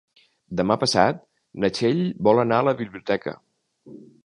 Demà passat na Txell vol anar a la biblioteca.